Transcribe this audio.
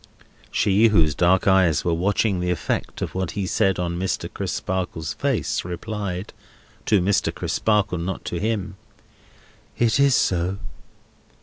She, whose dark eyes were watching the effect of what he said on Mr. Crisparkle's face, replied—to Mr. Crisparkle, not to him: "It is so."